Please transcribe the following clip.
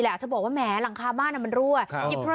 แหละเธอบอกว่าแหมหลังคาบ้านอ่ะมันรั้วครับมีโทรศัพท์มือถือ